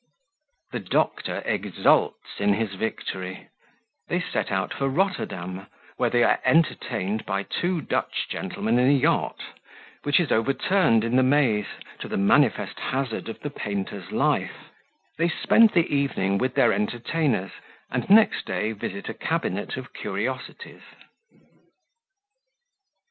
The Doctor exults in his Victory They set out for Rotterdam, where they are entertained by two Dutch Gentlemen in a Yacht, which is overturned in the Maese, to the manifest hazard of the Painter's Life They spend the Evening with their Entertainers, and next Day visit a Cabinet of Curiosities.